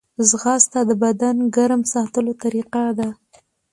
ځغاسته د بدن ګرم ساتلو طریقه ده